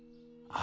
あ。